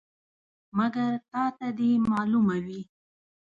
مګر تا ته دې معلومه وي.